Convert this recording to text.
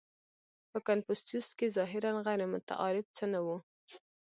• په کنفوسیوس کې ظاهراً غیرمتعارف څه نهو.